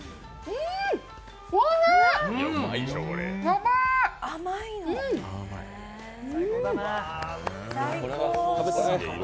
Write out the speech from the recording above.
うーん、おいしい！